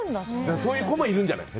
そういう子もいるんじゃない？